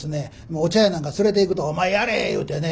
お茶屋なんか連れていくと「お前やれ！」いうてね